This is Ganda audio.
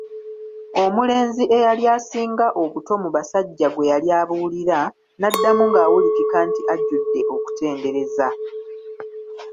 Omulenzi eyali asinga obuto mu basajja gwe yali abuulira, n'addamu ng'awulikika nti ajjudde okutendereza.